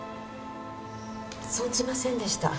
存じませんでした。